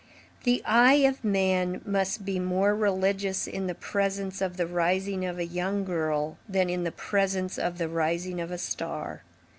The eye of man must be more religious in the presence of the rising of a young girl than in the presence of the rising of a star.